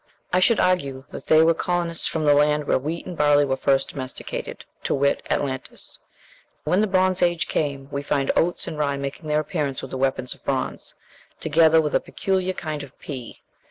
I should argue that they were colonists from the land where wheat and barley were first domesticated, to wit, Atlantis. And when the Bronze Age came, we find oats and rye making their appearance with the weapons of bronze, together with a peculiar kind of pea.